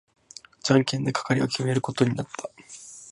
じゃんけんで係を決めることになった。